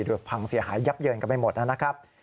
พังเสียหายยับเยินกันไปหมดนะครับ